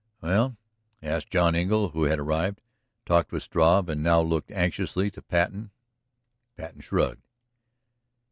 "Well?" asked John Engle who had arrived, talked with Struve, and now looked anxiously to Patten. Patten shrugged.